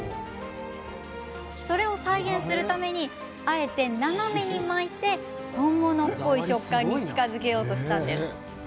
それを再現するためにあえて斜めに巻いて本物っぽい食感に近づけようとしたんです。